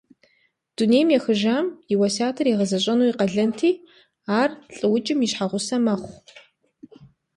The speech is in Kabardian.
Дунейм ехыжам и уэсятыр игъэзэщӏэну и къалэнти, ар лӏыукӏым и щхьэгъусэ мэхъу.